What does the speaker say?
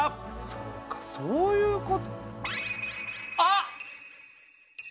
そうかそういうことあっ！